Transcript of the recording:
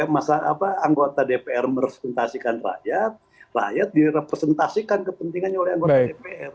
masalah apa anggota dpr meresponsasikan rakyat rakyat direpresentasikan kepentingannya oleh anggota dpr